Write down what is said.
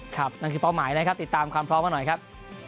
นั่นคือเป้าหมายนะครับติดตามความพร้อมมาหน่อยครับ